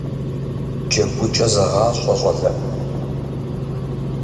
ДжэгукӀэ зэгъащӀэ, щӀалэ!